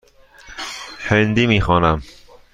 هندی می خوانم.